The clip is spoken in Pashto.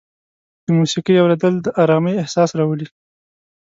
د موسیقۍ اورېدل د ارامۍ احساس راولي.